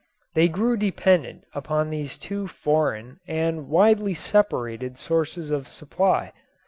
They grew dependent upon these two foreign and widely separated sources of supply.